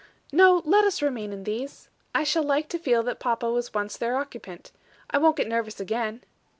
"No, let us remain in these. I shall like to feel that papa was once their occupant. I won't get nervous again."